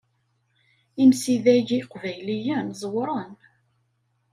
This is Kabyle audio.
Imsidag iqbayliyen ẓewren.